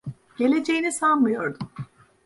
Geleceğini sanmıyordum.